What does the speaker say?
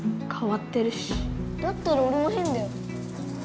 だったらおれもへんだよ！